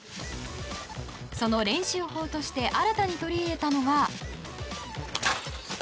その練習法として新たに取り入れたのは。